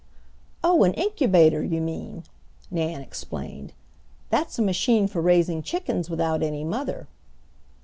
'" "Oh, an incubator, you mean," Nan explained. "That's a machine for raising chickens without any mother."